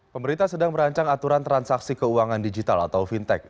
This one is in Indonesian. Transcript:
pemerintah sedang merancang aturan transaksi keuangan digital atau fintech